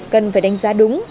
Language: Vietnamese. cần phải đánh giá đúng